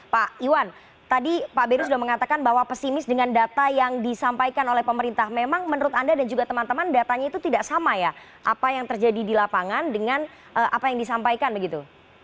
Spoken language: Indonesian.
pak iwan tadi pak beri sudah mengatakan bahwa pesimis dengan data yang disampaikan oleh pemerintah memang menurut anda dan juga teman teman datanya itu tidak sama ya apa yang terjadi di lapangan dengan apa yang disampaikan begitu